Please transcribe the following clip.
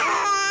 udah aja sayang